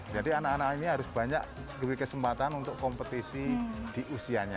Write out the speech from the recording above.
jadi anak anak ini harus banyak lebih kesempatan untuk kompetisi di usianya